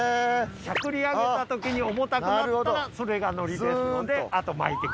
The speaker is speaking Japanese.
しゃくり上げた時に重たくなったらそれが乗りですのであと巻いてください。